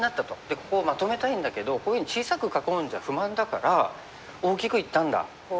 でここをまとめたいんだけどこういうふうに小さく囲うんじゃ不満だから大きくいったんだ。